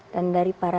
dan dari para